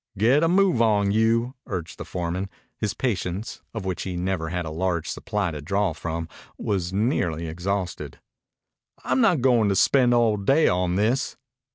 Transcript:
"Get a move on you!" urged the foreman. His patience, of which he never had a large supply to draw from, was nearly exhausted. "I'm not goin' to spend all day on this."